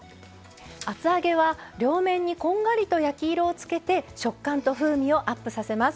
厚揚げは両面にこんがりと焼き色をつけて食感と風味をアップさせます。